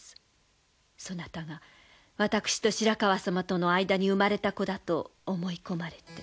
そなたが私と白河様との間に生まれた子だと思い込まれて。